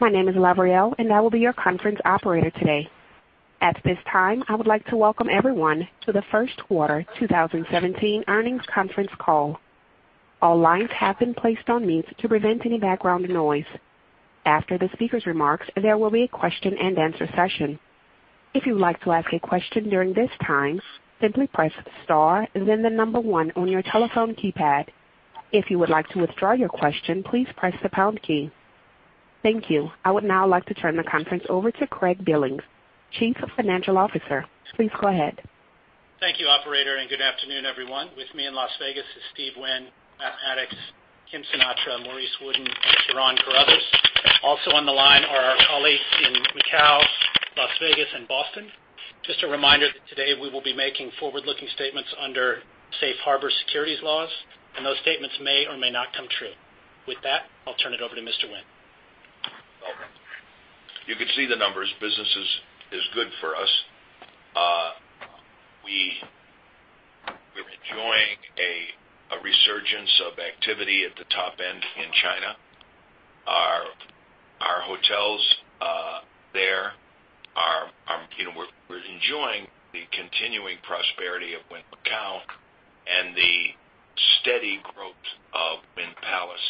My name is Lavriel. I will be your conference operator today. At this time, I would like to welcome everyone to the first quarter 2017 earnings conference call. All lines have been placed on mute to prevent any background noise. After the speaker's remarks, there will be a question-and-answer session. If you would like to ask a question during this time, simply press star and then the number one on your telephone keypad. If you would like to withdraw your question, please press the pound key. Thank you. I would now like to turn the conference over to Craig Billings, Chief Financial Officer. Please go ahead. Thank you, operator. Good afternoon, everyone. With me in Las Vegas is Steve Wynn, Matt Maddox, Kim Sinatra, Maurice Wooden, and Ciarán Carruthers. Also on the line are our colleagues in Macau, Las Vegas, and Boston. Just a reminder that today we will be making forward-looking statements under Safe Harbor securities laws, and those statements may or may not come true. With that, I'll turn it over to Mr. Wynn. Welcome. You can see the numbers. Business is good for us. We're enjoying a resurgence of activity at the top end in China. Our hotels there, we're enjoying the continuing prosperity of Wynn Macau and the steady growth of Wynn Palace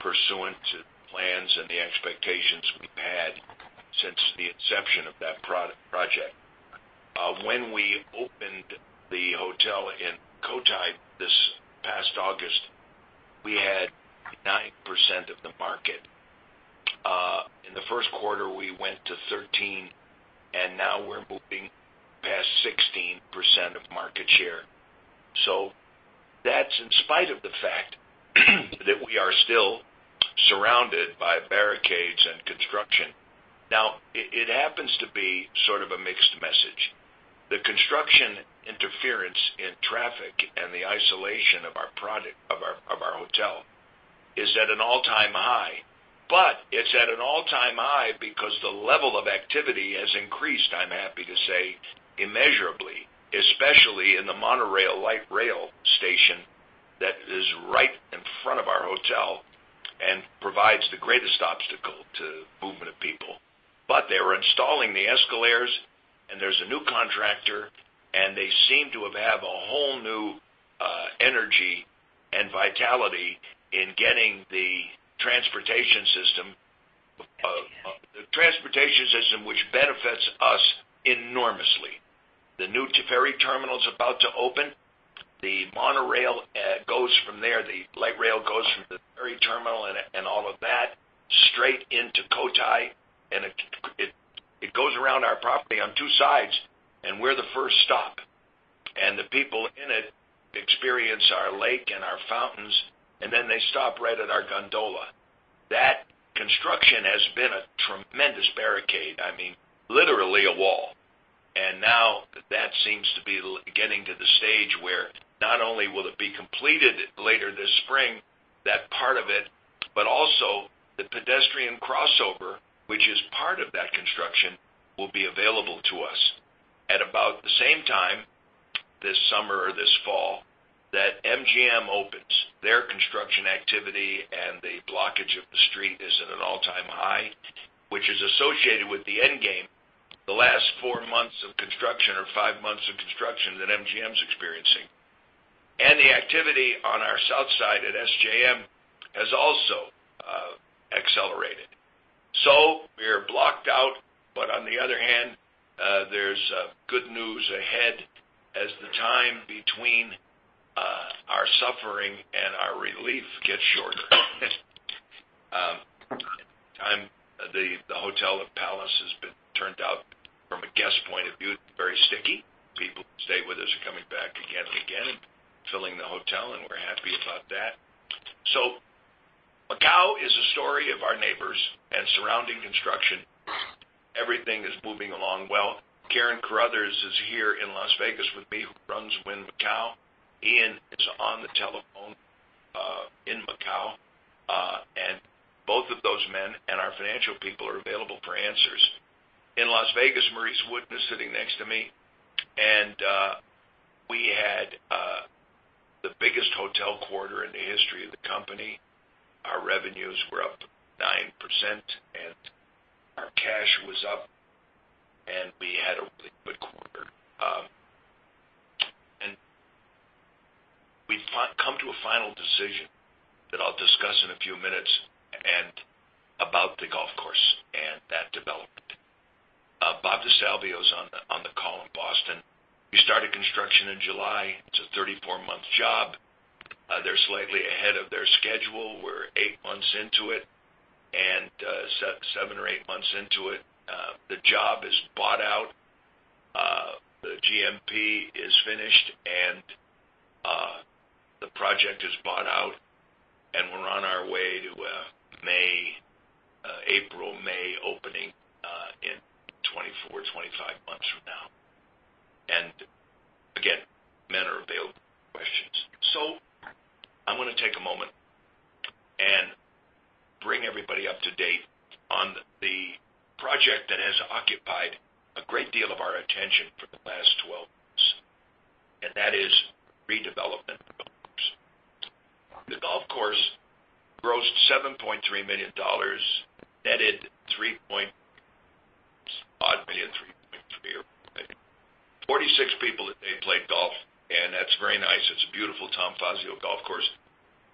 pursuant to the plans and the expectations we've had since the inception of that project. When we opened the hotel in Cotai this past August, we had 9% of the market. In the first quarter, we went to 13%, and now we're moving past 16% of market share. That's in spite of the fact that we are still surrounded by barricades and construction. It happens to be sort of a mixed message. The construction interference in traffic and the isolation of our hotel is at an all-time high, but it's at an all-time high because the level of activity has increased, I'm happy to say, immeasurably, especially in the monorail light rail station that is right in front of our hotel and provides the greatest obstacle to movement of people. They were installing the escalators, and there's a new contractor, and they seem to have a whole new energy and vitality in getting the transportation system, which benefits us enormously. The new ferry terminal is about to open. The monorail goes from there. The light rail goes from the ferry terminal and all of that straight into Cotai, and it goes around our property on two sides, and we're the first stop. The people in it experience our lake and our fountains, and then they stop right at our gondola. That construction has been a tremendous barricade, literally a wall. Now that seems to be getting to the stage where not only will it be completed later this spring, that part of it, but also the pedestrian crossover, which is part of that construction, will be available to us at about the same time this summer or this fall that MGM opens. Their construction activity and the blockage of the street is at an all-time high, which is associated with the end game, the last four months of construction or five months of construction that MGM's experiencing. The activity on our south side at SJM has also accelerated. We are blocked out, but on the other hand, there's good news ahead as the time between our suffering and our relief gets shorter. The hotel at Wynn Palace has been turned out from a guest point of view, very sticky. People who stay with us are coming back again and again and filling the hotel, and we're happy about that. Macau is a story of our neighbors and surrounding construction. Everything is moving along well. Corrine Carruthers is here in Las Vegas with me, who runs Wynn Macau. Ian is on the telephone in Macau. Both of those men and our financial people are available for answers. In Las Vegas, Maurice Wooden is sitting next to me, and we had the biggest hotel quarter in the history of the company. Our revenues were up 9%, and our cash was up, and we had a really good quarter. We've come to a final decision that I'll discuss in a few minutes about the golf course and that development. Bob DeSalvio is on the call in Boston. We started construction in July. It's a 34-month job. They're slightly ahead of their schedule. We're eight months into it, and seven or eight months into it, the job is bought out. The GMP is finished, and the project is bought out, and we're on our way to an April, May opening in 24 or 25 months from now. Again, men are available for questions. I want to take a moment and bring everybody up to date on the project that has occupied a great deal of our attention for the last 12 months. That is redevelopment of the golf course. The golf course grossed $7.3 million, netted $3 point odd million, $3.3 or something. 46 people a day play golf, and that's very nice. It's a beautiful Tom Fazio golf course.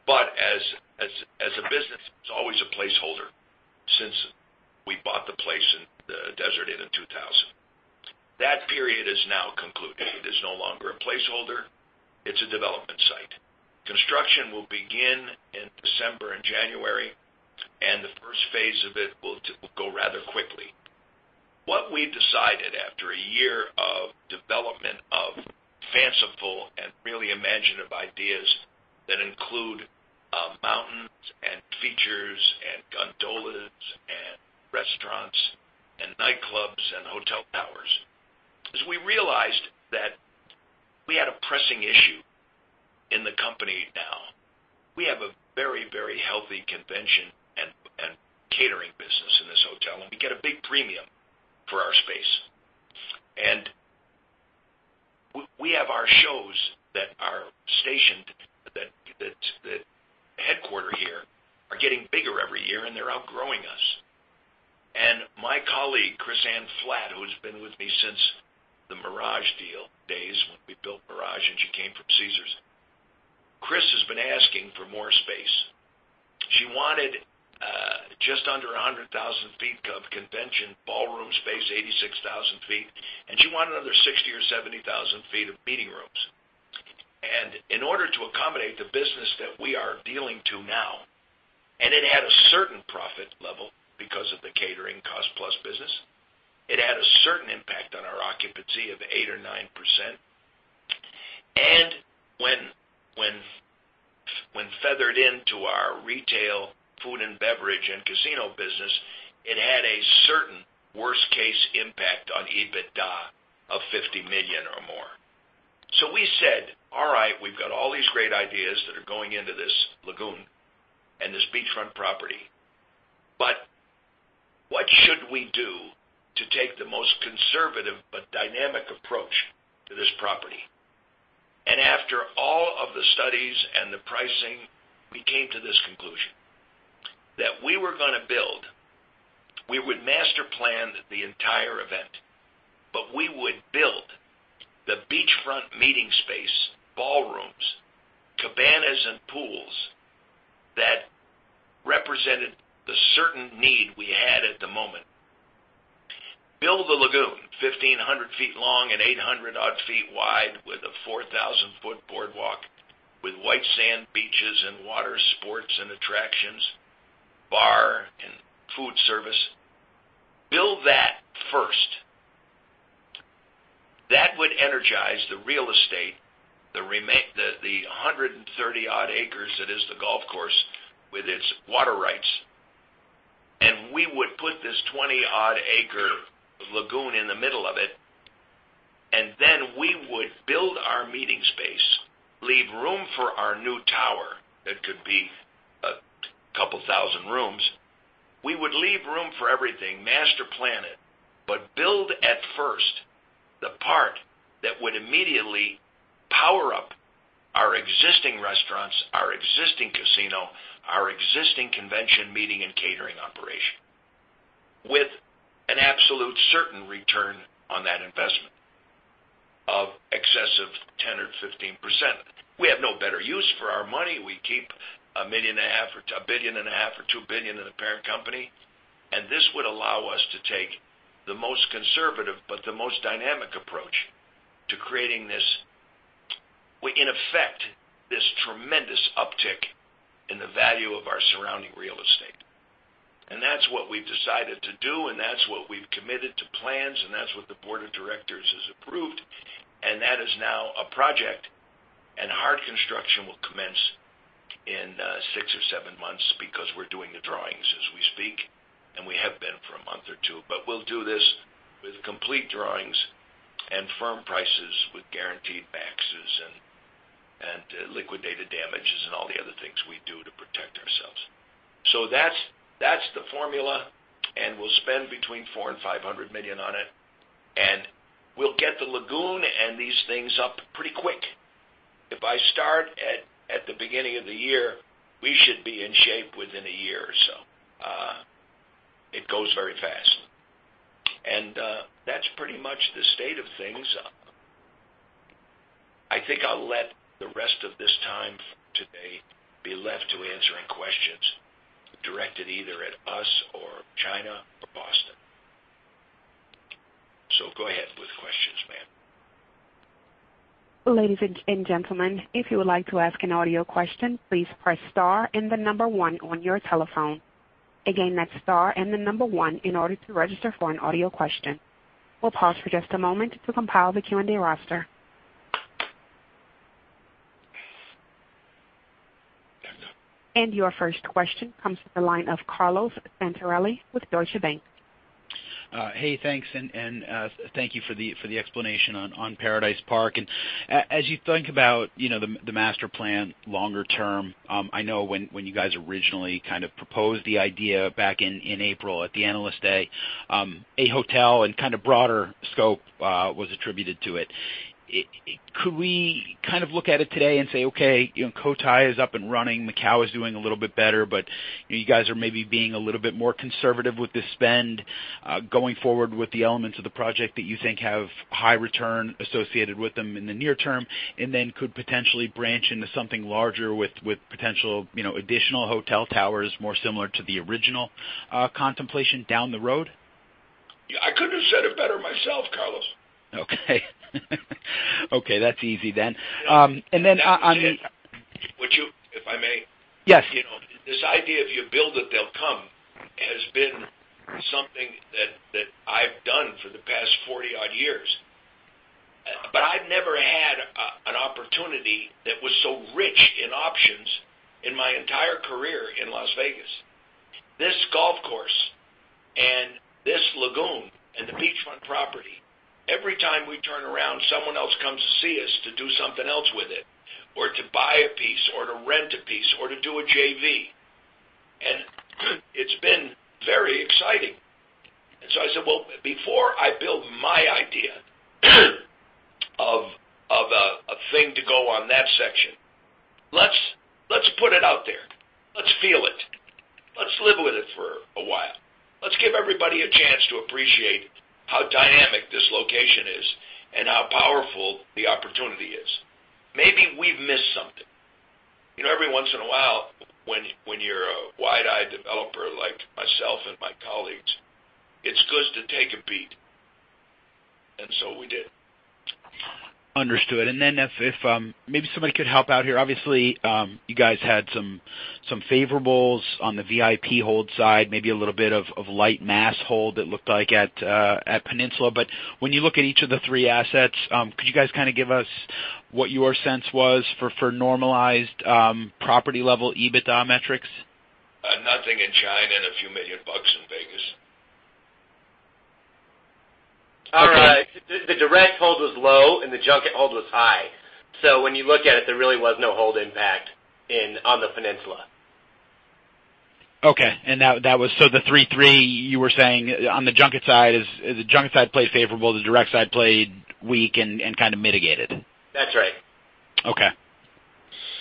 As a business, it's always a placeholder since we bought the place in the Desert Inn in 2000. That period is now concluded. It is no longer a placeholder. It's a development site. Construction will begin in December and January, and the first phase of it will go rather quickly. What we decided after a year of development of fanciful and really imaginative ideas that include mountains and features and gondolas and restaurants and nightclubs and hotel towers, is we realized that we had a pressing issue in the company now. We have a very healthy convention and catering business in this hotel, and we get a big premium for our space. We have our shows that are stationed, that headquarter here are getting bigger every year, and they're outgrowing us. My colleague, Chrisann Flatt who's been with me since the Mirage deal days when we built Mirage, and she came from Caesars, Chris has been asking for more space. She wanted just under 100,000 feet of convention ballroom space, 86,000 feet, and she wanted another 60,000 or 70,000 feet of meeting rooms. In order to accommodate the business that we are dealing to now, and it had a certain profit level because of the catering cost-plus business, it had a certain impact on our occupancy of 8% or 9%. When feathered into our retail food and beverage and casino business, it had a certain worst case impact on EBITDA of $50 million or more. We said, all right, we've got all these great ideas that are going into this lagoon and this beachfront property, but what should we do to take the most conservative but dynamic approach to this property? After all of the studies and the pricing, we came to this conclusion. That we were going to build, we would master plan the entire event, but we would build the beachfront meeting space, ballrooms, cabanas, and pools that represented the certain need we had at the moment. Build the lagoon 1,500 feet long and 800 odd feet wide with a 4,000-foot boardwalk with white sand beaches and water sports and attractions, bar, and food service. Build that first. That would energize the real estate, the 130 odd acres that is the golf course with its water rights, and we would put this 20 odd acre lagoon in the middle of it, and then we would build our meeting space, leave room for our new tower. That could be a couple thousand rooms. We would leave room for everything, master plan it, but build at first the part that would immediately power up our existing restaurants, our existing casino, our existing convention meeting and catering operation with an absolute certain return on that investment of excess of 10% or 15%. We have no better use for our money. We keep $1.5 billion or $2 billion in the parent company, this would allow us to take the most conservative, but the most dynamic approach to creating this, in effect, this tremendous uptick in the value of our surrounding real estate. That's what we've decided to do, that's what we've committed to plans, that's what the board of directors has approved, and that is now a project. Hard construction will commence in six or seven months because we're doing the drawings as we speak, and we have been for a month or two. We'll do this with complete drawings and firm prices with guaranteed maxes and liquidated damages and all the other things we do to protect ourselves. That's the formula, we'll spend between $400 million and $500 million on it, and we'll get the lagoon and these things up pretty quick. If I start at the beginning of the year, we should be in shape within a year or so. It goes very fast. That's pretty much the state of things. I think I'll let the rest of this time today be left to answering questions directed either at us or China or Boston. Go ahead with questions, ma'am. Ladies and gentlemen, if you would like to ask an audio question, please press star and the number 1 on your telephone. Again, that's star and the number 1 in order to register for an audio question. We'll pause for just a moment to compile the Q&A roster. Your first question comes from the line of Carlo Santarelli with Deutsche Bank. Hey, thanks, and thank you for the explanation on Paradise Park. As you think about the master plan longer term, I know when you guys originally kind of proposed the idea back in April at the Analyst Day, a hotel and kind of broader scope was attributed to it. Could we look at it today and say, okay, Cotai is up and running, Macau is doing a little bit better, but you guys are maybe being a little bit more conservative with the spend going forward with the elements of the project that you think have high return associated with them in the near term, and then could potentially branch into something larger with potential additional hotel towers, more similar to the original contemplation down the road? I couldn't have said it better myself, Carlo. Okay. Okay, that's easy then. If I may. Yes. This idea of "you build it, they'll come" has been something that I've done for the past 40-odd years. I've never had an opportunity that was so rich in options in my entire career in Las Vegas. This golf course and this lagoon and the beachfront property, every time we turn around, someone else comes to see us to do something else with it, or to buy a piece, or to rent a piece, or to do a JV. It's been very exciting. I said, "Well, before I build my idea of a thing to go on that section, let's put it out there. Let's feel it. Let's live with it for a while. Let's give everybody a chance to appreciate how dynamic this location is and how powerful the opportunity is." Maybe we've missed something. Every once in a while, when you're a wide-eyed developer like myself and my colleagues, it's good to take a beat, and so we did. Understood. If maybe somebody could help out here. Obviously, you guys had some favorables on the VIP hold side, maybe a little bit of light mass hold it looked like at Peninsula. When you look at each of the three assets, could you guys give us what your sense was for normalized property-level EBITDA metrics? Nothing in China and a few million $ in Vegas. Okay. All right. The direct hold was low and the junket hold was high. When you look at it, there really was no hold impact on the Peninsula. Okay. The three-three you were saying on the junket side is, the junket side played favorable, the direct side played weak and kind of mitigated. That's right. Okay.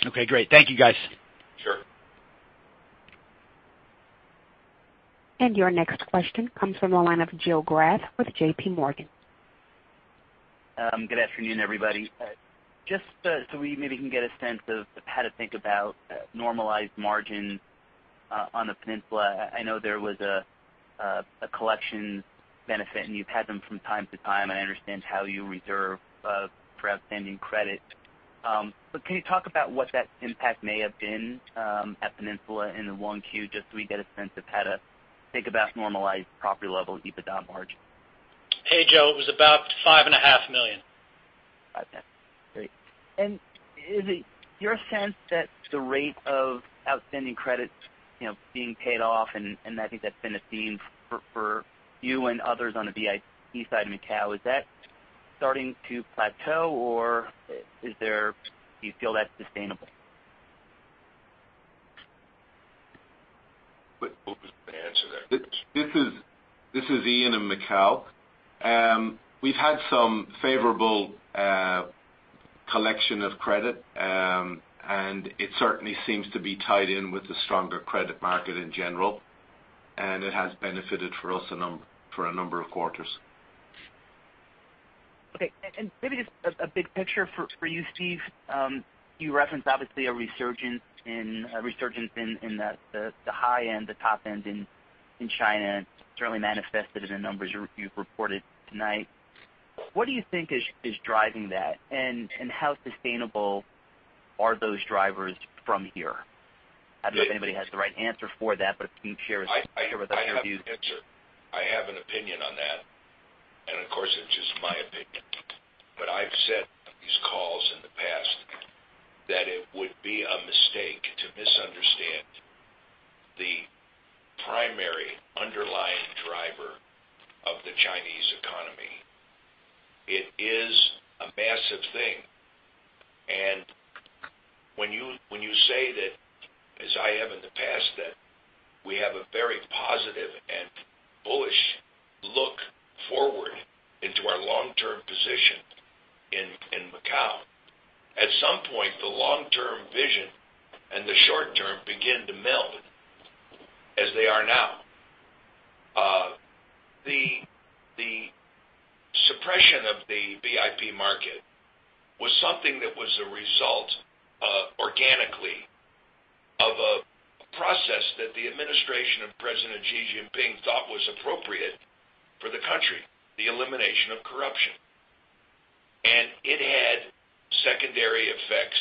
Okay, great. Thank you, guys. Sure. Your next question comes from the line of Joe Greff with J.P. Morgan. Good afternoon, everybody. Just so we maybe can get a sense of how to think about normalized margin on the Peninsula. I know there was a collection benefit, and you've had them from time to time. I understand how you reserve for outstanding credit. Can you talk about what that impact may have been at Peninsula in the 1 Q, just so we get a sense of how to think about normalized property-level EBITDA margin? Hey, Joe. It was about five and a half million. Great. Is it your sense that the rate of outstanding credits being paid off, and I think that's been a theme for you and others on the VIP side of Macau, is that starting to plateau, or do you feel that's sustainable? Who wants to answer that? This is Ian in Macau. We've had some favorable collection of credit, and it certainly seems to be tied in with the stronger credit market in general, and it has benefited for us for a number of quarters. Okay. Maybe just a big picture for you, Steve. You referenced, obviously, a resurgence in the high-end, the top end in China. It's certainly manifested in the numbers you've reported tonight. What do you think is driving that, and how sustainable are those drivers from here? I don't know if anybody has the right answer for that, but if you care to share whatever the view- I have an answer. I have an opinion on that. Of course, it's just my opinion. I've said on these calls in the past that it would be a mistake to misunderstand the primary underlying driver of the Chinese economy. It is a massive thing. When you say that, as I have in the past, that we have a very positive and bullish look forward into our long-term position in Macau, at some point, the long-term vision and the short-term begin to meld as they are now. The suppression of the VIP market was something that was a result organically of a process that the administration of President Xi Jinping thought was appropriate for the country, the elimination of corruption. It had secondary effects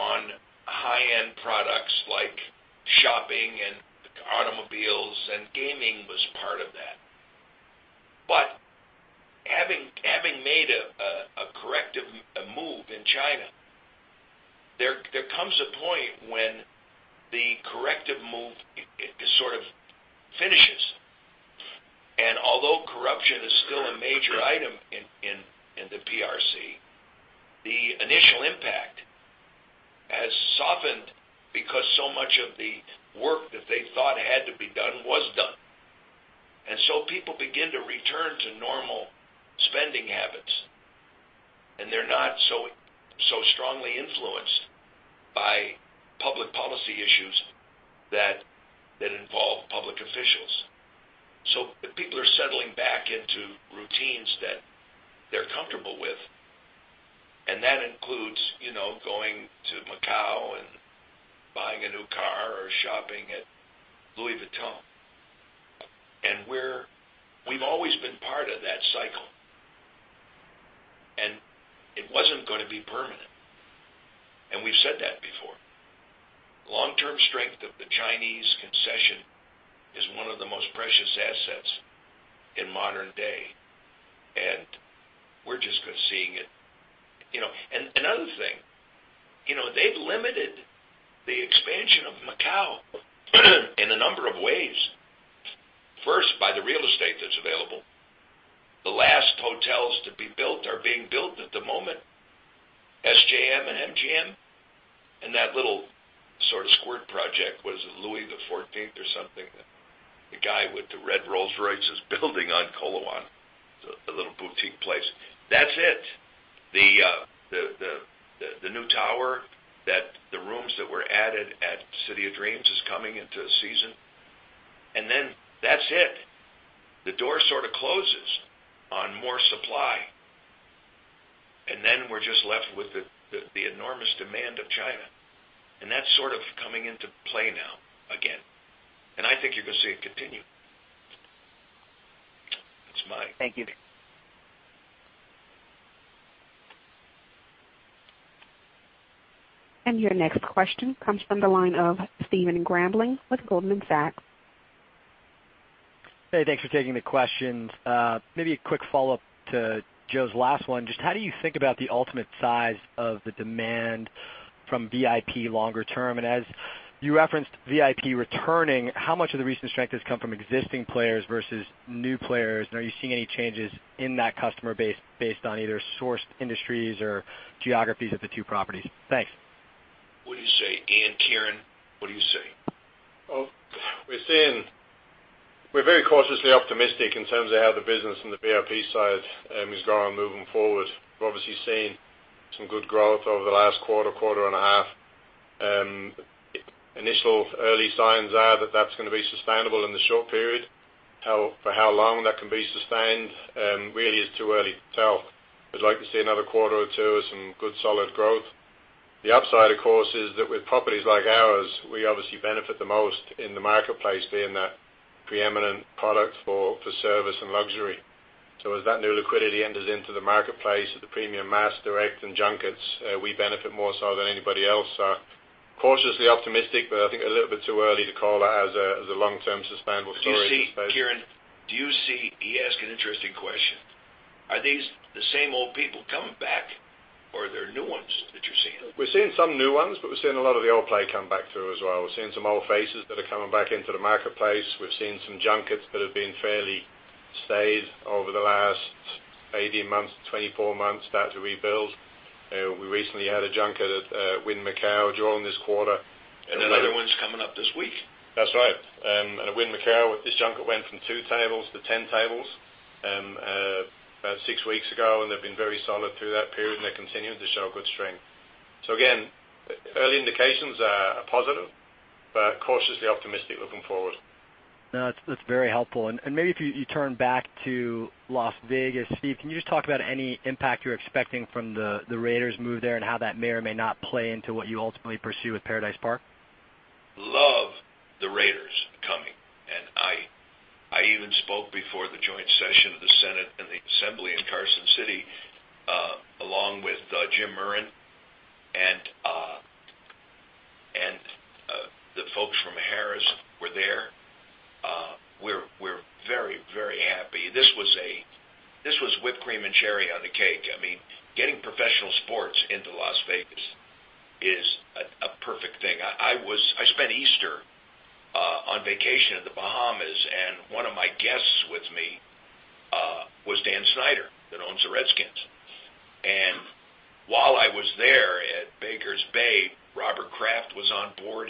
on high-end products like shopping and automobiles, and gaming was part of that. Having made a corrective move in China, there comes a point when the corrective move sort of finishes. Although corruption is still a major item in the PRC, the initial impact has softened because so much of the work that they thought had to be done was done. People begin to return to normal spending habits, and they're not so strongly influenced by public policy issues that involve public officials. People are settling back into routines that they're comfortable with, and that includes going to Macau and buying a new car or shopping at Louis Vuitton. We've always been part of that cycle, and it wasn't going to be permanent, and we've said that before. Long-term strength of the Chinese concession is one of the most precious assets in modern day, and we're just seeing it. Another thing, they've limited the expansion of Macau in a number of ways. First, by the real estate that's available. The last hotels to be built are being built at the moment, SJM and MGM, and that little sort of squirt project, what is it, Louis XIII or something that the guy with the red Rolls-Royce is building on Coloane, it's a little boutique place. That's it. The new tower, the rooms that were added at City of Dreams is coming into season, and then that's it. The door sort of closes on more supply, and then we're just left with the enormous demand of China, and that's sort of coming into play now again. I think you're going to see it continue. That's my- Thank you. Your next question comes from the line of Stephen Grambling with Goldman Sachs. Hey, thanks for taking the questions. Maybe a quick follow-up to Joe's last one. How do you think about the ultimate size of the demand from VIP longer term? As you referenced VIP returning, how much of the recent strength has come from existing players versus new players? Are you seeing any changes in that customer base based on either source industries or geographies at the two properties? Thanks. What do you say, Ian, Ciarán? What do you say? Well, we're very cautiously optimistic in terms of how the business in the VIP side has gone moving forward. We're obviously seeing some good growth over the last quarter and a half. Initial early signs are that that's going to be sustainable in the short period. For how long that can be sustained really is too early to tell. We'd like to see another quarter or two of some good, solid growth. The upside, of course, is that with properties like ours, we obviously benefit the most in the marketplace, being that preeminent product for service and luxury. As that new liquidity enters into the marketplace at the premium mass, direct, and junkets, we benefit more so than anybody else. Cautiously optimistic, but I think a little bit too early to call that as a long-term sustainable story, I suppose. Kieran, He asked an interesting question. Are these the same old people coming back, or are there new ones that you're seeing? We're seeing some new ones, we're seeing a lot of the old play come back through as well. We're seeing some old faces that are coming back into the marketplace. We're seeing some junkets that have been fairly stayed over the last 18 months, 24 months, start to rebuild. We recently had a junket at Wynn Macau during this quarter- Another one's coming up this week. That's right. At Wynn Macau, this junket went from two tables to 10 tables about six weeks ago, they've been very solid through that period, they're continuing to show good strength. Again, early indications are positive, but cautiously optimistic looking forward. No, that's very helpful. Maybe if you turn back to Las Vegas, Steve, can you just talk about any impact you're expecting from the Raiders move there and how that may or may not play into what you ultimately pursue with Paradise Park? Love the Raiders coming. I even spoke before the joint session of the Senate and the Assembly in Carson City, along with Jim Murren, the folks from Caesars were there. We're very happy. This was whipped cream and cherry on the cake. Getting professional sports into Las Vegas is a perfect thing. I spent Easter on vacation in the Bahamas, one of my guests with me was Dan Snyder, that owns the Redskins. While I was there at Baker's Bay, Robert Kraft was on board,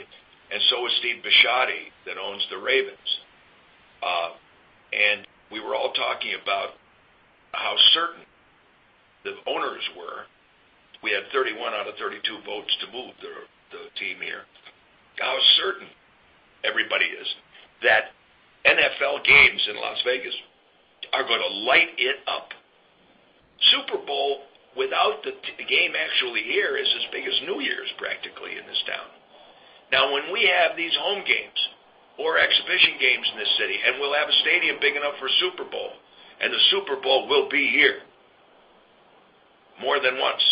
so was Steve Bisciotti, that owns the Ravens. We were all talking about how certain the owners were. We had 31 out of 32 votes to move the team here. How certain everybody is that NFL games in Las Vegas are going to light it up. Super Bowl without the game actually here is as big as New Year's, practically, in this town. When we have these home games or exhibition games in this city, we'll have a stadium big enough for a Super Bowl, the Super Bowl will be here more than once,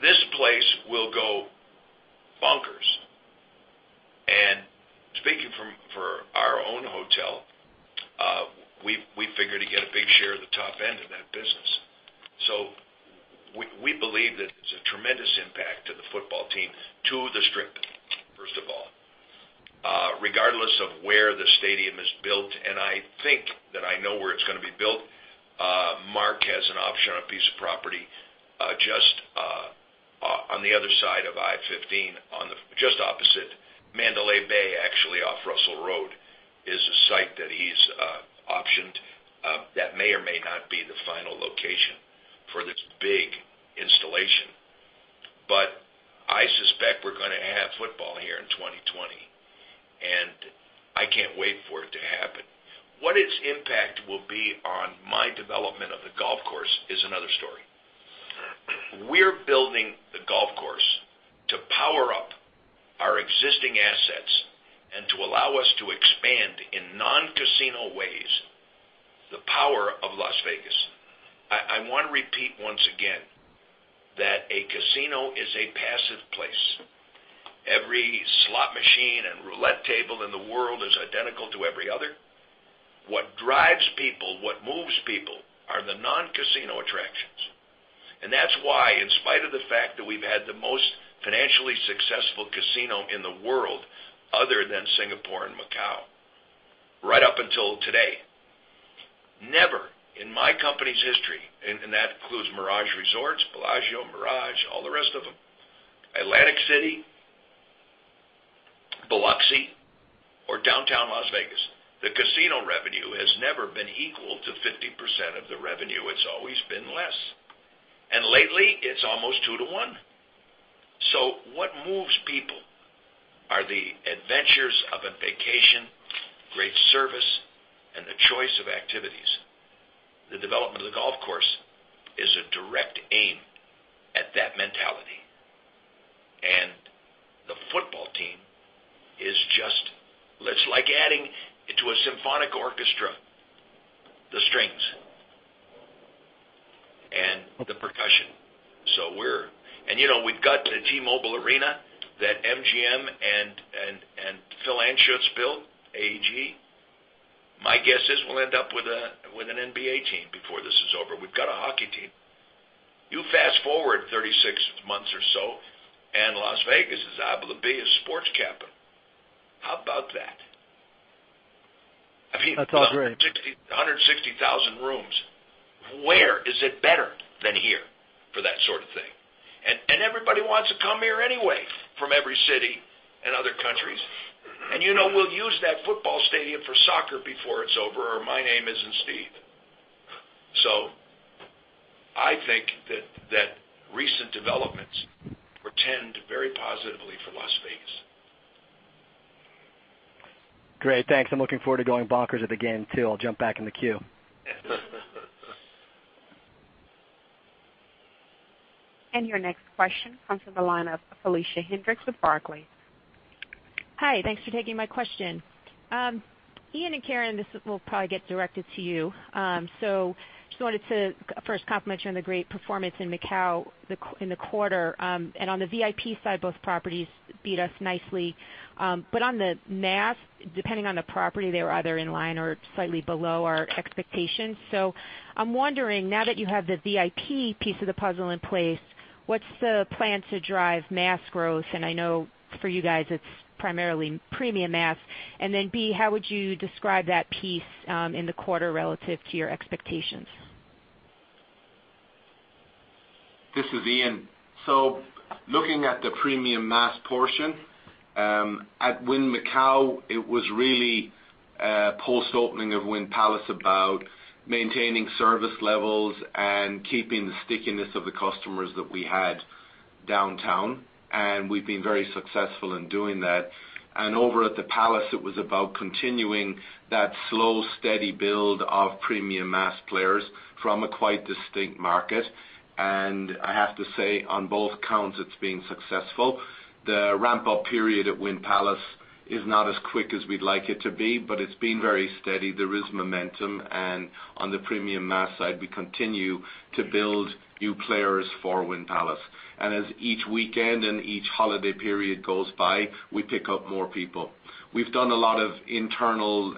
this place will go bonkers. Speaking for our own hotel, we figure to get a big share of the top end of that business. We believe that there's a tremendous impact to the football team, to the Strip of where the stadium is built, I think that I know where it's going to be built. Mark has an option on a piece of property just on the other side of I-15, just opposite Mandalay Bay, actually off Russell Road, is a site that he's optioned. That may or may not be the final location for this big installation. I suspect we're going to have football here in 2020, and I can't wait for it to happen. What its impact will be on my development of the golf course is another story. We're building the golf course to power up our existing assets and to allow us to expand in non-casino ways, the power of Las Vegas. I want to repeat once again that a casino is a passive place. Every slot machine and roulette table in the world is identical to every other. What drives people, what moves people are the non-casino attractions. That's why, in spite of the fact that we've had the most financially successful casino in the world, other than Singapore and Macau, right up until today. Never in my company's history, that includes Mirage Resorts, Bellagio, Mirage, all the rest of them, Atlantic City, Biloxi, or downtown Las Vegas, the casino revenue has never been equal to 50% of the revenue. It's always been less. Lately, it's almost two to one. What moves people are the adventures of a vacation, great service, and the choice of activities. The development of the golf course is a direct aim at that mentality. The football team is just like adding to a symphonic orchestra, the strings, and the percussion. We've got the T-Mobile Arena that MGM and Phil Anschutz built, AEG. My guess is we'll end up with an NBA team before this is over. We've got a hockey team. You fast-forward 36 months or so, and Las Vegas is out to be a sports capital. How about that? That's all great. 160,000 rooms. Where is it better than here for that sort of thing? Everybody wants to come here anyway from every city and other countries. We'll use that football stadium for soccer before it's over, or my name isn't Steve. I think that recent developments portend very positively for Las Vegas. Great, thanks. I'm looking forward to going bonkers at the game, too. I'll jump back in the queue. Your next question comes from the line of Felicia Hendrix with Barclays. Hi, thanks for taking my question. Ian and Ciarán, this will probably get directed to you. Just wanted to first compliment you on the great performance in Macau in the quarter. On the VIP side, both properties beat us nicely. On the mass, depending on the property, they were either in line or slightly below our expectations. I'm wondering, now that you have the VIP piece of the puzzle in place, what's the plan to drive mass growth? I know for you guys, it's primarily premium mass. Then B, how would you describe that piece in the quarter relative to your expectations? This is Ian. Looking at the premium mass portion, at Wynn Macau, it was really a post-opening of Wynn Palace about maintaining service levels and keeping the stickiness of the customers that we had downtown, and we've been very successful in doing that. Over at the Palace, it was about continuing that slow, steady build of premium mass players from a quite distinct market. I have to say, on both counts, it's been successful. The ramp-up period at Wynn Palace is not as quick as we'd like it to be, but it's been very steady. There is momentum, and on the premium mass side, we continue to build new players for Wynn Palace. As each weekend and each holiday period goes by, we pick up more people. We've done a lot of internal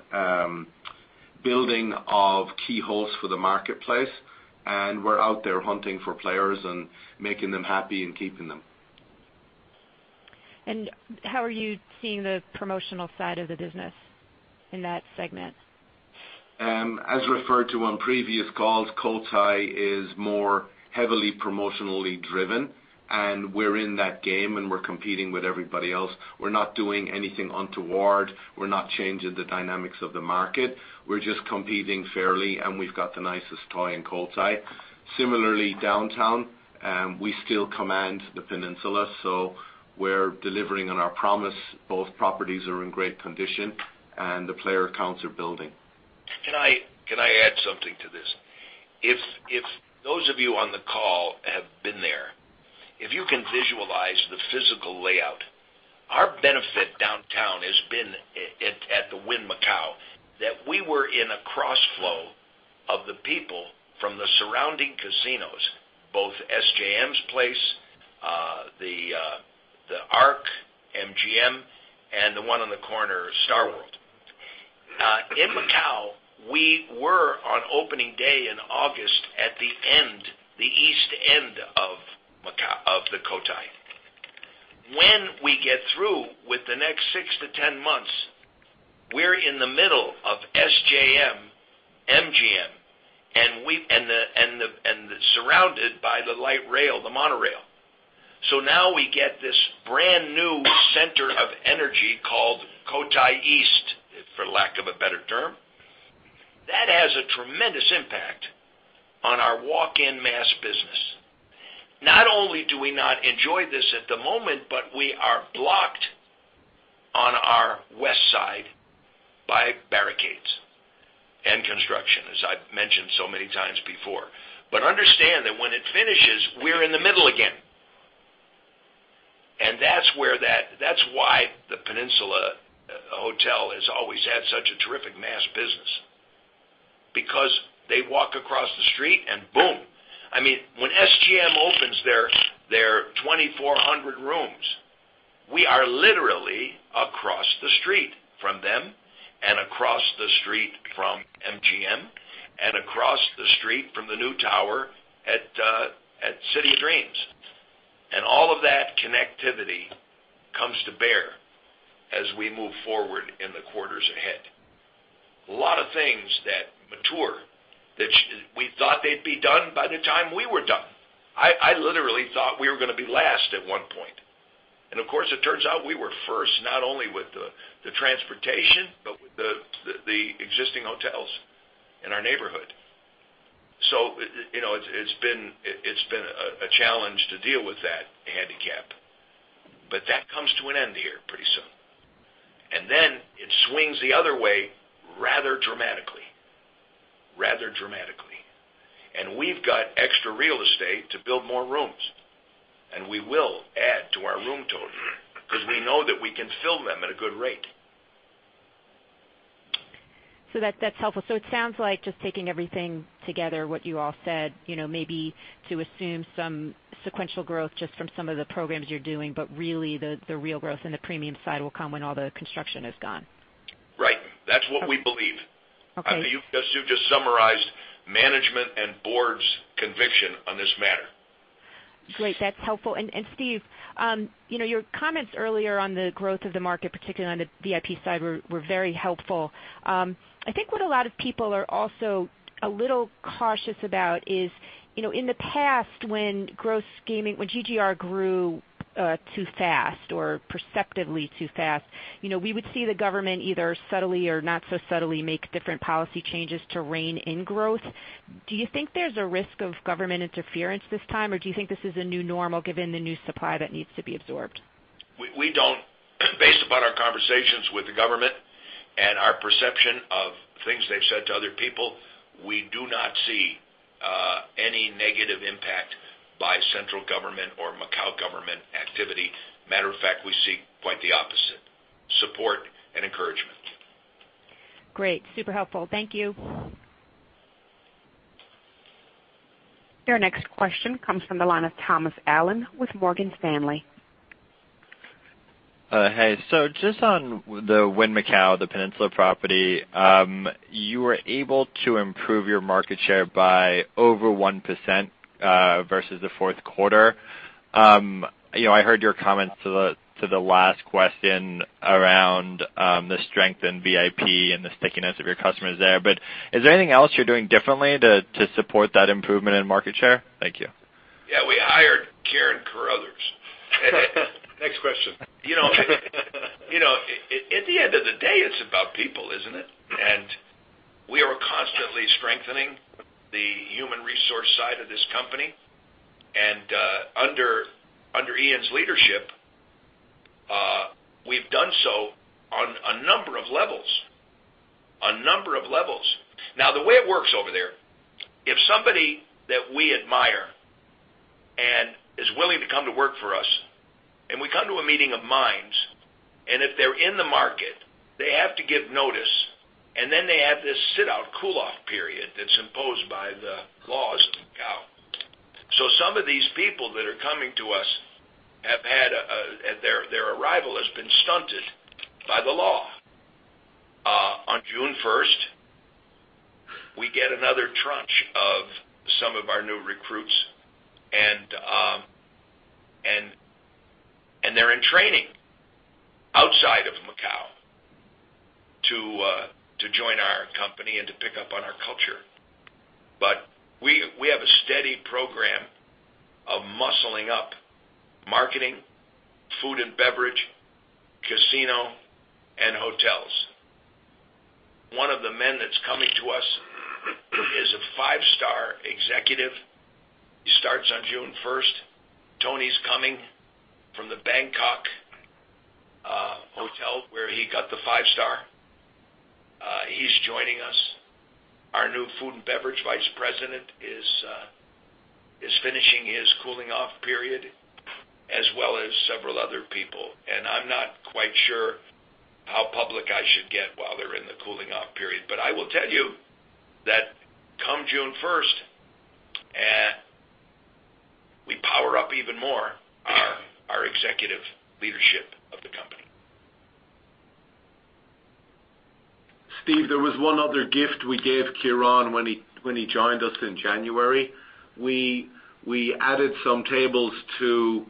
building of key hosts for the marketplace, and we're out there hunting for players and making them happy and keeping them. How are you seeing the promotional side of the business in that segment? As referred to on previous calls, Cotai is more heavily promotionally driven, and we're in that game and we're competing with everybody else. We're not doing anything untoward. We're not changing the dynamics of the market. We're just competing fairly, and we've got the nicest toy in Cotai. Similarly, downtown, we still command the Peninsula, so we're delivering on our promise. Both properties are in great condition, and the player counts are building. Can I add something to this? If those of you on the call have been there, if you can visualize the physical layout, our benefit downtown has been, at the Wynn Macau, that we were in a cross-flow of the people from the surrounding casinos, both SJM's place, the L'Arc, MGM, and the one on the corner, StarWorld. In Macau, we were on opening day in August at the east end of the Cotai. When we get through with the next six to 10 months, we're in the middle of SJM, MGM, and surrounded by the light rail, the monorail. Now we get this brand-new center of energy called Cotai East, for lack of a better term. That has a tremendous impact on our walk-in mass business. Not only do we not enjoy this at the moment, but we are blocked on our west side by barricades and construction, as I've mentioned so many times before. Understand that when it finishes, we're in the middle again. That's why the Peninsula Hotel has always had such a terrific mass business, because they walk across the street and boom. When SJM opens their 2,400 rooms, we are literally across the street from them and across the street from MGM and across the street from the new tower at City of Dreams. All of that connectivity comes to bear as we move forward in the quarters ahead. A lot of things that mature that we thought they'd be done by the time we were done. I literally thought we were going to be last at one point. Of course, it turns out we were first, not only with the transportation, but with the existing hotels in our neighborhood. It's been a challenge to deal with that handicap. That comes to an end here pretty soon. Then it swings the other way rather dramatically. We've got extra real estate to build more rooms. We will add to our room total because we know that we can fill them at a good rate. That's helpful. It sounds like just taking everything together, what you all said, maybe to assume some sequential growth just from some of the programs you're doing, but really the real growth in the premium side will come when all the construction is gone. Right. That's what we believe. Okay. You've just summarized management and board's conviction on this matter. Great. That's helpful. Steve, your comments earlier on the growth of the market, particularly on the VIP side, were very helpful. I think what a lot of people are also a little cautious about is, in the past, when GGR grew too fast or perceptively too fast, we would see the government either subtly or not so subtly make different policy changes to rein in growth. Do you think there's a risk of government interference this time, or do you think this is a new normal given the new supply that needs to be absorbed? Based upon our conversations with the government and our perception of things they've said to other people, we do not see any negative impact by central government or Macau government activity. Matter of fact, we see quite the opposite: support and encouragement. Great. Super helpful. Thank you. Your next question comes from the line of Thomas Allen with Morgan Stanley. Hey. Just on the Wynn Macau, the Peninsula property, you were able to improve your market share by over 1% versus the fourth quarter. I heard your comments to the last question around the strength in VIP and the stickiness of your customers there. Is there anything else you're doing differently to support that improvement in market share? Thank you. Yeah. We hired Ciarán Carruthers. Next question. At the end of the day, it's about people, isn't it? We are constantly strengthening the human resource side of this company. Under Ian's leadership, we've done so on a number of levels. Now, the way it works over there, if somebody that we admire and is willing to come to work for us, and we come to a meeting of minds, and if they're in the market, they have to give notice, and then they have this sit out cool-off period that's imposed by the laws of Macau. Some of these people that are coming to us, their arrival has been stunted by the law. On June 1st, we get another tranche of some of our new recruits, and they're in training outside of Macau to join our company and to pick up on our culture. We have a steady program of muscling up marketing, food and beverage, casino, and hotels. One of the men that's coming to us is a five-star executive. He starts on June 1st. Tony's coming from the Bangkok hotel where he got the five star. He's joining us. Our new food and beverage vice president is finishing his cooling off period, as well as several other people. I'm not quite sure how public I should get while they're in the cooling off period. I will tell you that come June 1st Executive leadership of the company. Steve, there was one other gift we gave Kieran when he joined us in January. We added some tables to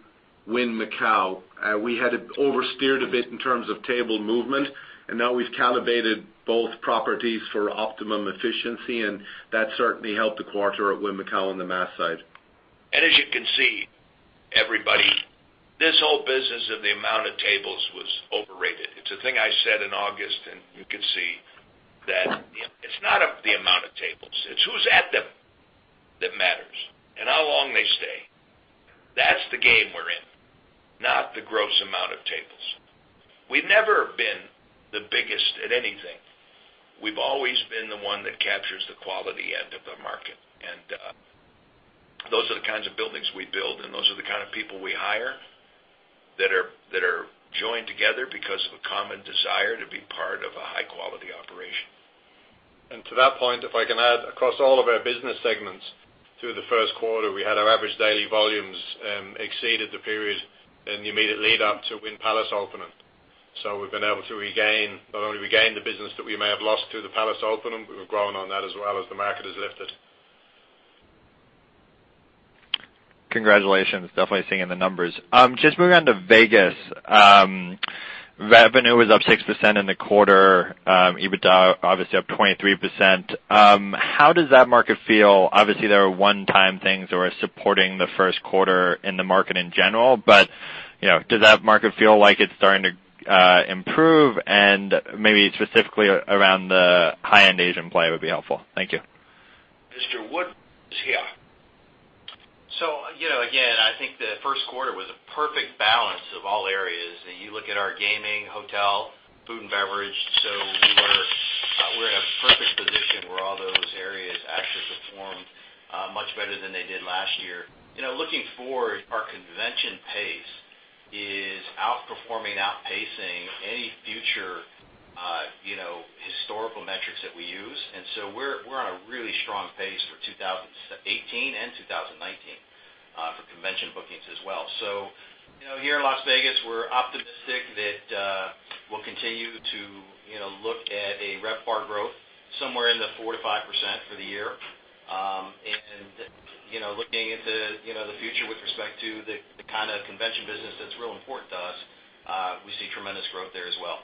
Wynn Macau. We had oversteered a bit in terms of table movement. Now we've calibrated both properties for optimum efficiency. That certainly helped the quarter at Wynn Macau on the mass side. As you can see, everybody, this whole business of the amount of tables was overrated. It's a thing I said in August. You can see that it's not the amount of tables, it's who's at them that matters how long they stay. That's the game we're in, not the gross amount of tables. We've never been the biggest at anything. We've always been the one that captures the quality end of the market. Those are the kinds of buildings we build. Those are the kind of people we hire that are joined together because of a common desire to be part of a high-quality operation. To that point, if I can add, across all of our business segments through the first quarter, we had our average daily volumes exceeded the period in the immediate lead-up to Wynn Palace opening. We've been able to not only regain the business that we may have lost through the Palace opening, but we've grown on that as well as the market has lifted. Congratulations. Definitely seeing the numbers. Just moving on to Vegas. Revenue was up 6% in the quarter, EBITDA obviously up 23%. How does that market feel? Obviously, there are one-time things that were supporting the first quarter in the market in general, but does that market feel like it's starting to improve and maybe specifically around the high-end Asian play would be helpful? Thank you. Mr. Wooden is here. Again, I think the first quarter was a perfect balance of all areas. You look at our gaming, hotel, food, and beverage. We're in a perfect position where all those areas actually performed much better than they did last year. Looking forward, our convention pace is outperforming, outpacing any future historical metrics that we use. We're on a really strong pace for 2018 and 2019 for convention bookings as well. Here in Las Vegas, we're optimistic that we'll continue to look at a RevPAR growth somewhere in the 4%-5% for the year. Looking into the future with respect to the kind of convention business that's real important to us, we see tremendous growth there as well.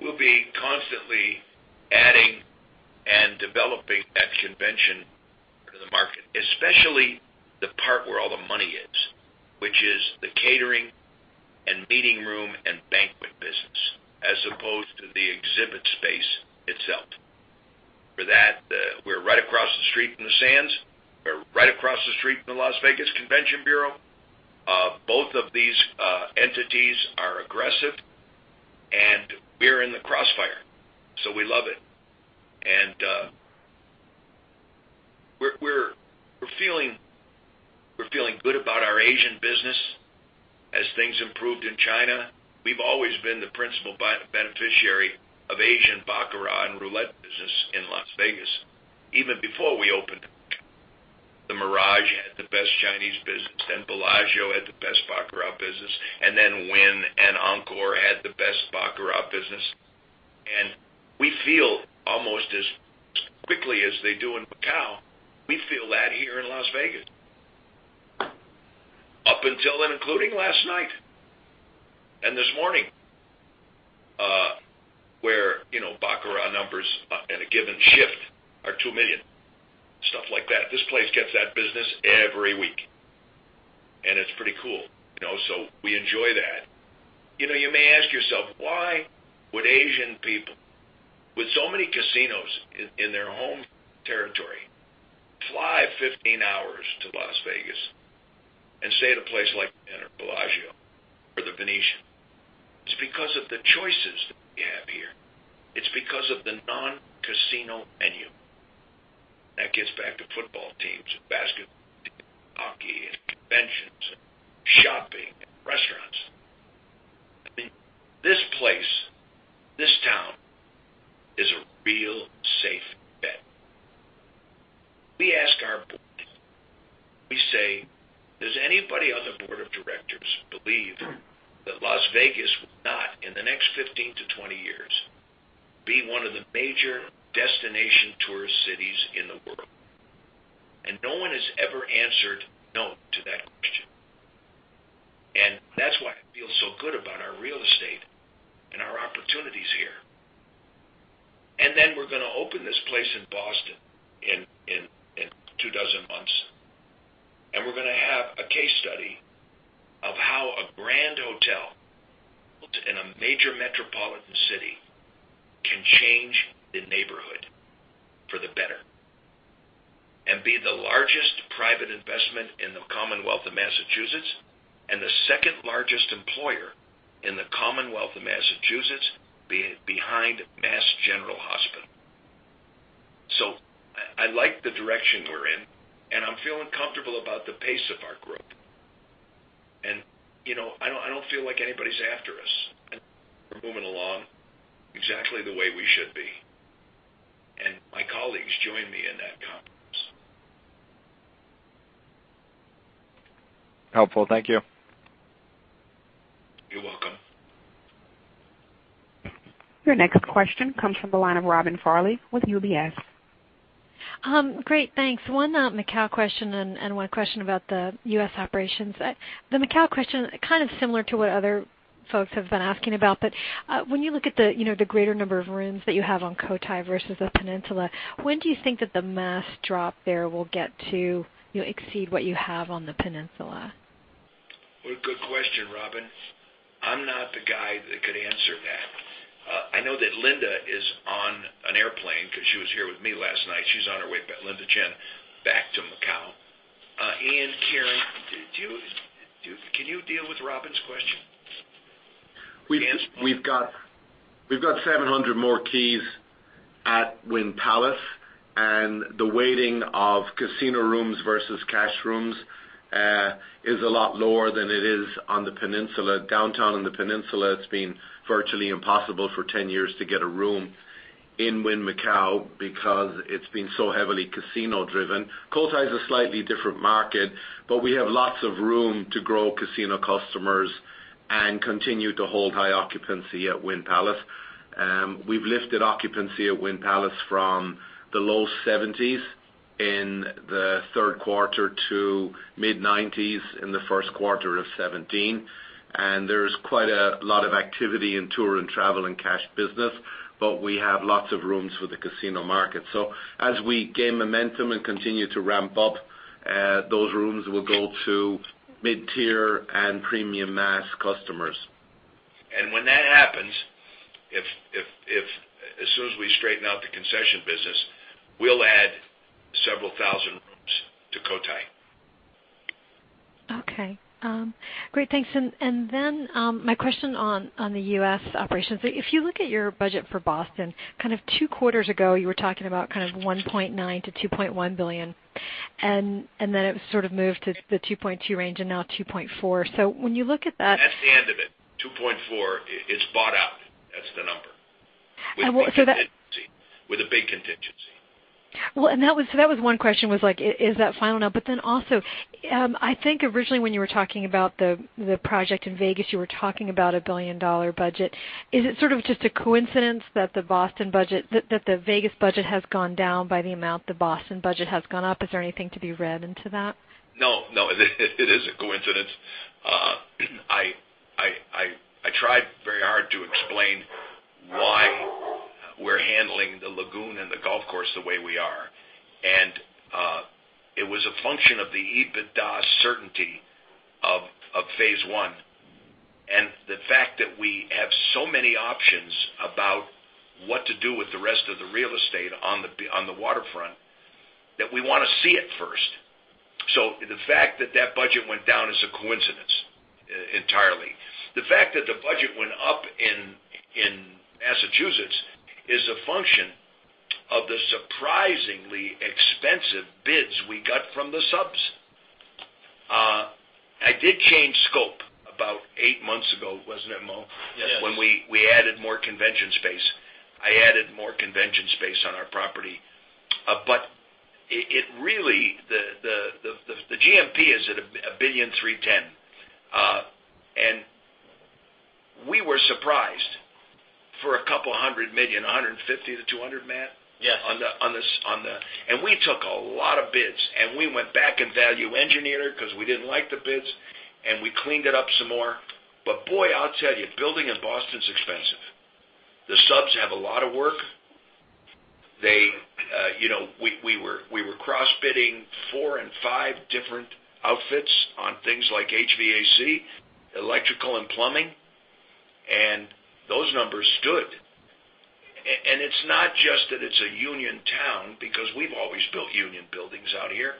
We'll be constantly adding and developing that convention to the market, especially the part where all the money is, which is the catering and meeting room and banquet business, as opposed to the exhibit space itself. For that, we're right across the street from the Sands. We're right across the street from the Las Vegas Convention Bureau. Both of these entities are aggressive. We're in the crossfire. We love it. We're feeling good about our Asian business as things improved in China. We've always been the principal beneficiary of Asian baccarat and roulette business in Las Vegas. Even before we opened, The Mirage had the best Chinese business, then Bellagio had the best baccarat business, and then Wynn and Encore had the best baccarat business. We feel almost as quickly as they do in Macau, we feel that here in Las Vegas. Up until and including last night and this morning, where baccarat numbers at a given shift are $2 million, stuff like that. This place gets that business every week, and it's pretty cool. We enjoy that. You may ask yourself, why would Asian people, with so many casinos in their home territory, fly 15 hours to Las Vegas and stay at a place like Bellagio or The Venetian? It's because of the choices that we have here. It's because of the non-casino menu. That gets back to football teams, basketball, hockey, and conventions, and shopping, and restaurants. I mean, this place, this town, is a real safe bet. We ask our board, we say, "Does anybody on the board of directors believe that Las Vegas will not, in the next 15-20 years, be one of the major destination tourist cities in the world?" No one has ever answered no to that question. That's why I feel so good about our real estate and our opportunities here. We're going to open this place in Boston in 2 dozen months, and we're going to have a case study of how a grand hotel built in a major metropolitan city can change the neighborhood for the better and be the largest private investment in the Commonwealth of Massachusetts and the second-largest employer in the Commonwealth of Massachusetts, behind Massachusetts General Hospital. I like the direction we're in, and I'm feeling comfortable about the pace of our growth. I don't feel like anybody's after us. We're moving along exactly the way we should be. Helpful. Thank you. You're welcome. Your next question comes from the line of Robin Farley with UBS. Great, thanks. One Macau question and one question about the U.S. operations. The Macau question, kind of similar to what other folks have been asking about, but when you look at the greater number of rooms that you have on Cotai versus the Peninsula, when do you think that the mass drop there will get to exceed what you have on the Peninsula? Well, good question, Robin. I'm not the guy that could answer that. I know that Linda is on an airplane because she was here with me last night. She's on her way back, Linda Chen, back to Macau. Ciarán, can you deal with Robin's question? Answer? We've got 700 more keys at Wynn Palace. The waiting of casino rooms versus cash rooms is a lot lower than it is on the Peninsula. Downtown on the Peninsula, it's been virtually impossible for 10 years to get a room in Wynn Macau because it's been so heavily casino-driven. Cotai is a slightly different market. We have lots of room to grow casino customers and continue to hold high occupancy at Wynn Palace. We've lifted occupancy at Wynn Palace from the low 70s in the third quarter to mid-90s in the first quarter of 2017. There's quite a lot of activity in tour and travel and cash business. We have lots of rooms for the casino market. As we gain momentum and continue to ramp up, those rooms will go to mid-tier and premium mass customers. When that happens, as soon as we straighten out the concession business, we'll add several thousand rooms to Cotai. Okay. Great, thanks. My question on the U.S. operations, if you look at your budget for Boston, kind of two quarters ago, you were talking about $1.9 billion-$2.1 billion. Then it sort of moved to the $2.2 billion range and now $2.4 billion. When you look at that- That's the end of it. $2.4, it's bought out. That's the number. What? With a big contingency. That was one question was like, is that final now? Also, I think originally when you were talking about the project in Vegas, you were talking about a billion-dollar budget. Is it sort of just a coincidence that the Vegas budget has gone down by the amount the Boston budget has gone up? Is there anything to be read into that? No, it is a coincidence. I tried very hard to explain why we're handling the lagoon and the golf course the way we are. It was a function of the EBITDA certainty of phase one, and the fact that we have so many options about what to do with the rest of the real estate on the waterfront, that we want to see it first. The fact that that budget went down is a coincidence entirely. The fact that the budget went up in Massachusetts is a function of the surprisingly expensive bids we got from the subs. I did change scope about eight months ago, wasn't it, Mo? Yes. When we added more convention space. I added more convention space on our property. It really, the GMP is at $1.31 billion. We were surprised for a couple of hundred million, $150 million-$200 million, Matt? Yes. We took a lot of bids, and we went back and value-engineered because we didn't like the bids, and we cleaned it up some more. Boy, I'll tell you, building in Boston is expensive. The subs have a lot of work. We were cross-bidding four and five different outfits on things like HVAC, electrical, and plumbing. Those numbers stood. It's not just that it's a union town, because we've always built union buildings out here.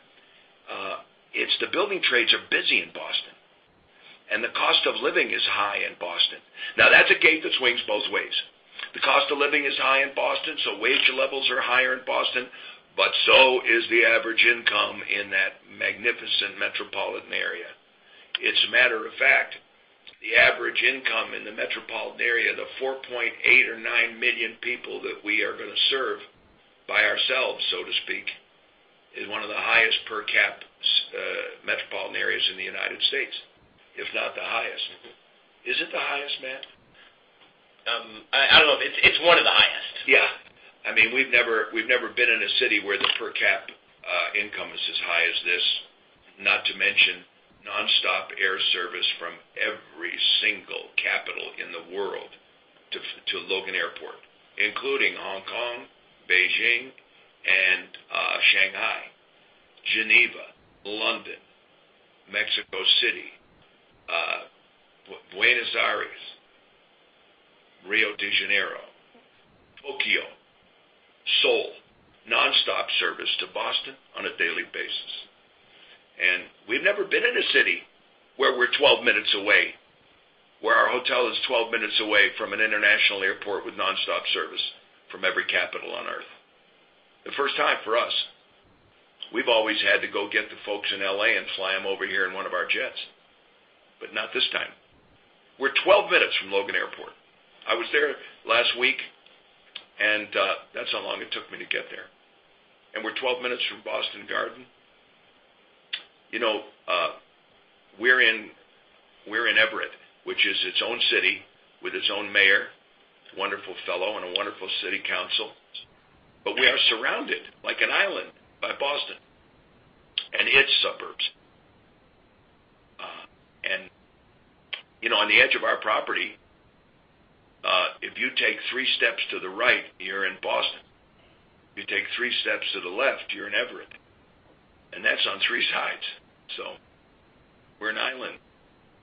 It's the building trades are busy in Boston, and the cost of living is high in Boston. Now that's a gate that swings both ways. The cost of living is high in Boston, so wage levels are higher in Boston, but so is the average income in that magnificent metropolitan area. As a matter of fact, the average income in the metropolitan area, the 4.8 million or 4.9 million people that we are going to serve by ourselves, so to speak, is one of the highest per cap metropolitan areas in the U.S., if not the highest. Is it the highest, Matt? I don't know. It's one of the highest. Yeah. We've never been in a city where the per cap income is as high as this, not to mention nonstop air service from every single capital in the world to Logan Airport, including Hong Kong, Beijing, and Shanghai, Geneva, London, Mexico City, Buenos Aires, Rio de Janeiro, Tokyo, Seoul, nonstop service to Boston on a daily basis. We've never been in a city where we're 12 minutes away, where our hotel is 12 minutes away from an international airport with nonstop service from every capital on Earth. The first time for us. We've always had to go get the folks in L.A. and fly them over here in one of our jets. Not this time. We're 12 minutes from Logan Airport. I was there last week. That's how long it took me to get there. We're 12 minutes from Boston Garden. We're in Everett, which is its own city, with its own mayor, wonderful fellow, and a wonderful city council. We are surrounded, like an island, by Boston and its suburbs. On the edge of our property, if you take three steps to the right, you're in Boston, if you take three steps to the left, you're in Everett. That's on three sides, so we're an island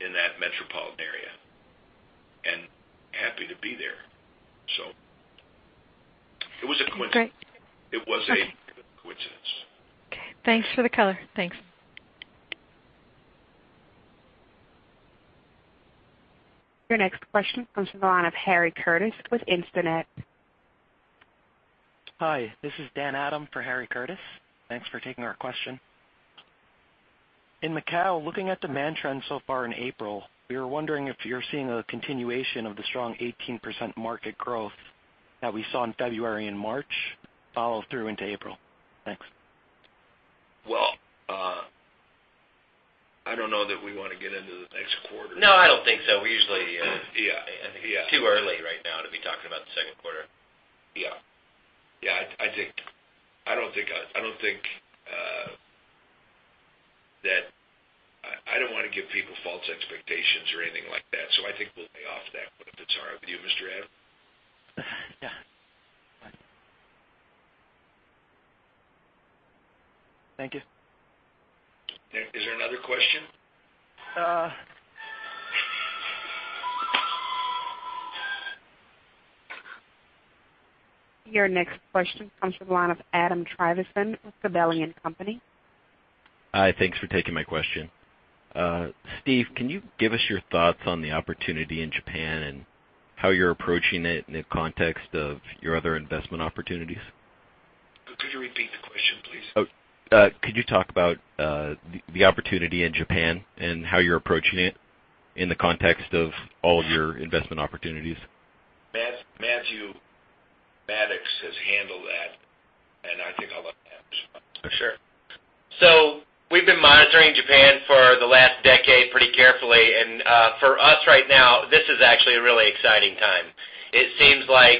in that metropolitan area and happy to be there. It was a coincidence. Great. Okay. It was a coincidence. Okay. Thanks for the color. Thanks. Your next question comes from the line of Harry Curtis with Instinet. Hi, this is Dan Adam for Harry Curtis. Thanks for taking our question. In Macau, looking at the main trend so far in April, we were wondering if you're seeing a continuation of the strong 18% market growth that we saw in February and March follow through into April. Thanks. Well, I don't know that we want to get into the next quarter. No, I don't think so. We usually- Yeah. I think it's too early right now to be talking about the second quarter. Yeah. I don't want to give people false expectations or anything like that. I think we'll lay off that one if it's all right with you, Mr. Adam. Yeah. Thank you. Is there another question? Your next question comes from the line of Adam Trivison with Gabelli & Company. Hi. Thanks for taking my question. Steve, can you give us your thoughts on the opportunity in Japan and how you're approaching it in the context of your other investment opportunities? Could you repeat the question, please? Could you talk about the opportunity in Japan and how you're approaching it in the context of all of your investment opportunities? Matthew Maddox has handled that, and I think I'll let Matt respond. Sure. We've been monitoring Japan for the last decade pretty carefully. For us right now, this is actually a really exciting time. It seems like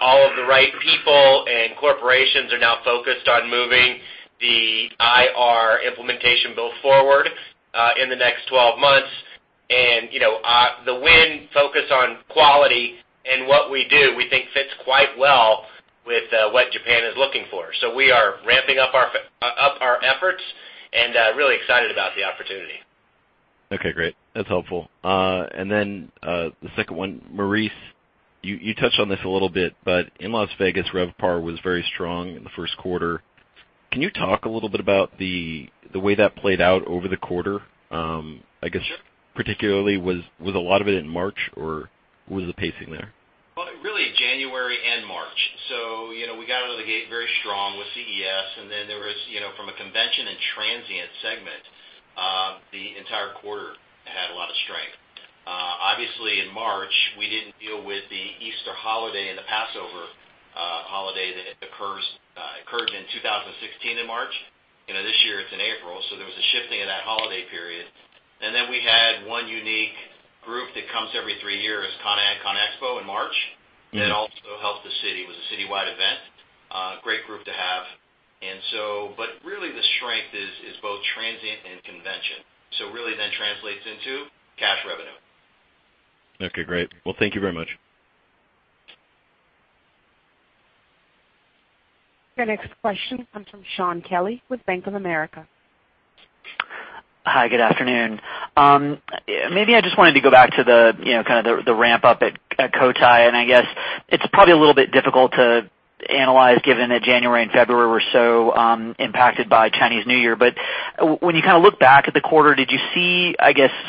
all of the right people and corporations are now focused on moving the IR implementation bill forward, in the next 12 months. The Wynn focus on quality and what we do, we think fits quite well with what Japan is looking for. We are ramping up our efforts and really excited about the opportunity. Okay, great. That's helpful. The second one, Maurice, you touched on this a little bit, but in Las Vegas, RevPAR was very strong in the first quarter. Can you talk a little bit about the way that played out over the quarter? I guess particularly, was a lot of it in March, or what was the pacing there? Well, really January and March. We got out of the gate very strong with CES, and then from a convention and transient segment, the entire quarter had a lot of strength. Obviously, in March, we didn't deal with the Easter holiday and the Passover holiday that occurred in 2016 in March. This year it's in April, so there was a shifting of that holiday period. We had one unique group that comes every three years, CONEXPO-CON/AGG in March. That also helped the city. It was a citywide event. Great group to have. Really the strength is both transient and convention. Really then translates into cash revenue. Okay, great. Well, thank you very much. Your next question comes from Shaun Kelley with Bank of America. Hi, good afternoon. Maybe I just wanted to go back to the ramp up at Cotai, I guess it's probably a little bit difficult to analyze given that January and February were so impacted by Chinese New Year. When you look back at the quarter, did you see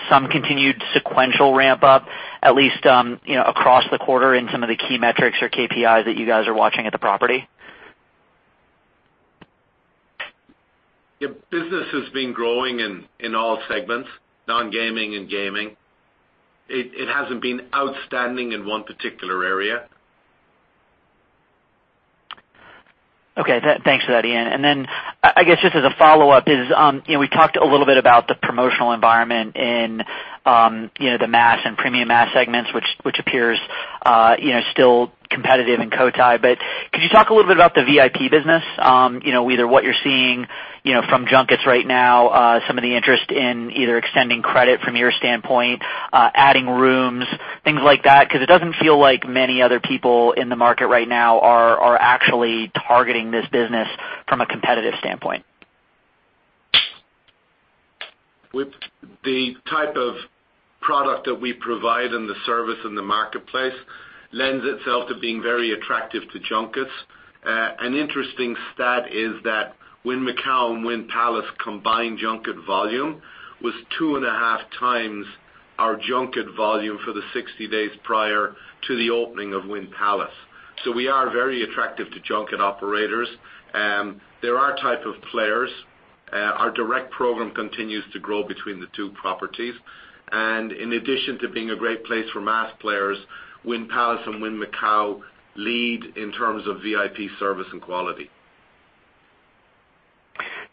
some continued sequential ramp up at least across the quarter in some of the key metrics or KPIs that you guys are watching at the property? Business has been growing in all segments, non-gaming and gaming. It hasn't been outstanding in one particular area. Okay. Thanks for that, Ian. I guess just as a follow-up is, we talked a little bit about the promotional environment in the mass and premium mass segments which appears still competitive in Cotai. Could you talk a little bit about the VIP business? Either what you're seeing from junkets right now, some of the interest in either extending credit from your standpoint, adding rooms, things like that, because it doesn't feel like many other people in the market right now are actually targeting this business from a competitive standpoint. With the type of product that we provide and the service in the marketplace, lends itself to being very attractive to junkets. An interesting stat is that Wynn Macau and Wynn Palace combined junket volume was two and a half times our junket volume for the 60 days prior to the opening of Wynn Palace. We are very attractive to junket operators. There are type of players Our direct program continues to grow between the two properties. In addition to being a great place for mass players, Wynn Palace and Wynn Macau lead in terms of VIP service and quality.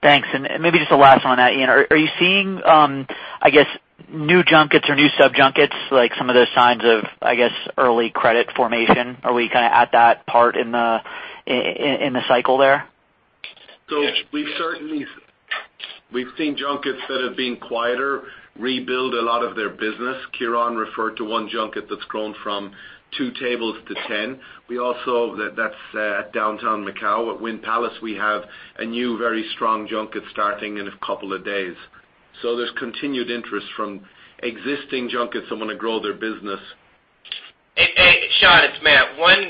Thanks. Maybe just the last one on that, Ian, are you seeing, new junkets or new sub-junkets, like some of those signs of early credit formation? Are we at that part in the cycle there? We've seen junkets that have been quieter, rebuild a lot of their business. Kieran referred to one junket that's grown from two tables to 10. That's at downtown Macau. At Wynn Palace, we have a new, very strong junket starting in a couple of days. There's continued interest from existing junkets that want to grow their business. Hey, Shaun, it's Matt. One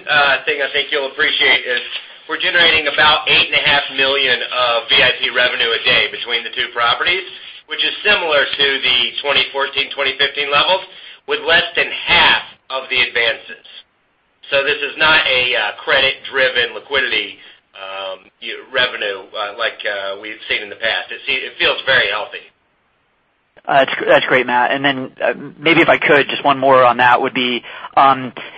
thing I think you'll appreciate is we're generating about $8.5 million of VIP revenue a day between the two properties, which is similar to the 2014, 2015 levels with less than half of the advances. This is not a credit-driven liquidity revenue like we've seen in the past. It feels very healthy. That's great, Matt. Maybe if I could, just one more on that would be,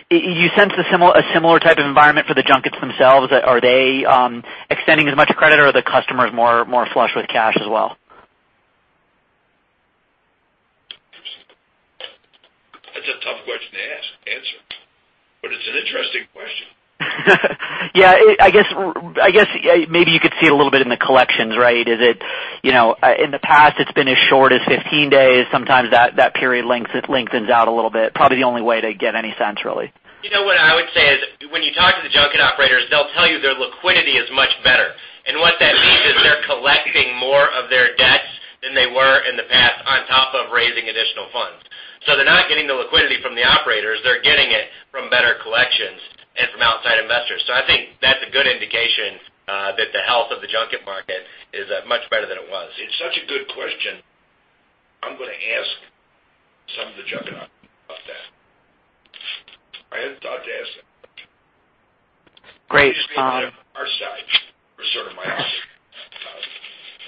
you sense a similar type of environment for the junkets themselves? Are they extending as much credit, or are the customers more flush with cash as well? That's a tough question to answer, but it's an interesting question. I guess maybe you could see it a little bit in the collections, right? In the past, it's been as short as 15 days. Sometimes that period lengthens out a little bit. Probably the only way to get any sense, really. When you talk to the junket operators, they'll tell you their liquidity is much better. What that means is they're collecting more of their debts than they were in the past, on top of raising additional funds. They're not getting the liquidity from the operators. They're getting it from better collections and from outside investors. I think that's a good indication that the health of the junket market is much better than it was. It's such a good question. I'm going to ask some of the junket operators about that. I hadn't thought to ask that. Great. Our side or sort of my office.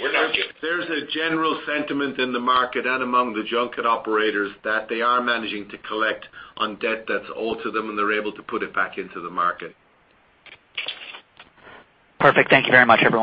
We're not junkets. There's a general sentiment in the market and among the junket operators that they are managing to collect on debt that's owed to them, and they're able to put it back into the market. Perfect. Thank you very much, everyone.